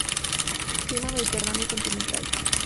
Clima mediterráneo continental.